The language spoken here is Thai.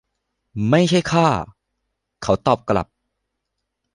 ไม่ใช่ข้า เขาตอบกลับ